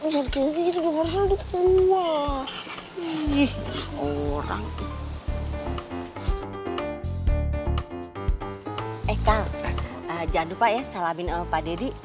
jangan lupa ya salamin sama pak deddy